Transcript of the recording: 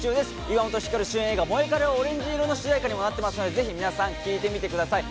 岩本照主演映画「モエカレはオレンジ色」の主題歌にもなってますのでぜひみなさん聴いてみてください